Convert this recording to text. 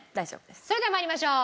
それでは参りましょう。